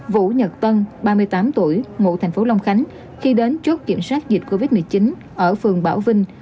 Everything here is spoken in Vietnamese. vũ nhật tân ba mươi tám tuổi ngụ thành phố long khánh khi đến chốt kiểm soát dịch covid một mươi chín ở phường bảo vinh